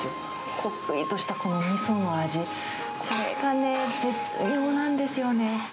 こってりとしたこのみその味、これがね、絶妙なんですよね。